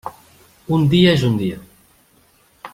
Un dia és un dia.